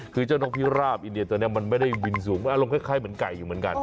คือเจ้านกพิราบอินเดียตัวนี้มันไม่ได้บินสูงอารมณ์คล้ายเหมือนไก่อยู่เหมือนกัน